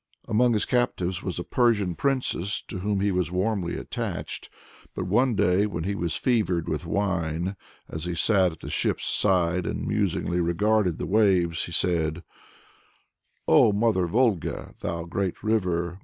Among his captives was a Persian princess, to whom he was warmly attached. But one day "when he was fevered with wine, as he sat at the ship's side and musingly regarded the waves, he said: 'Oh, Mother Volga, thou great river!